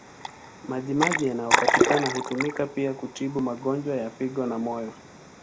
Maji maji yanayopatikana hutumika pia kutibu magonjwa ya figo na moyo.